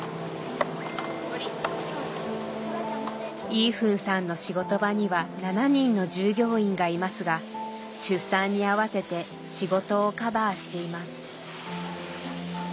イーフンさんの仕事場には７人の従業員がいますが出産に合わせて仕事をカバーしています。